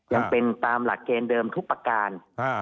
ยังเป็นตามหลักเกณฑ์เดิมทุกประการ